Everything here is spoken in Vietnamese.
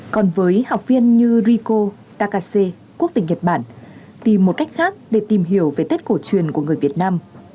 còn với học viên như riko takase quốc tịch nhật bản tìm một cách khác để tìm hiểu về tết cổ truyền của người việt nam